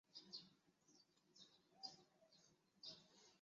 东北三肋果为菊科三肋果属下的一个种。